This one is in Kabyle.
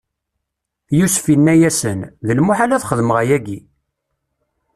Yusef inna-yasen: D lmuḥal ad xedmeɣ ayagi!